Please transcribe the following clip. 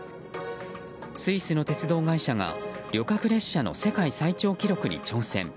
スイスの鉄道会社が旅客列車の世界最長記録に挑戦。